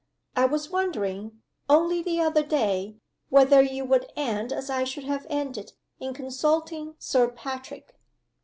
I was wondering, only the other day, whether you would end, as I should have ended, in consulting Sir Patrick."